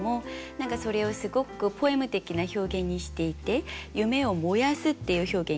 何かそれをすごくポエム的な表現にしていて「夢を燃やす」っていう表現